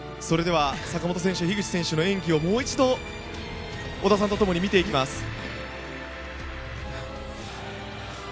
それでは坂本選手樋口選手の演技をもう一度、織田さんと共に見ていきます。